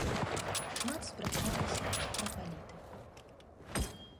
Шмат спрачаліся і пра палітыку.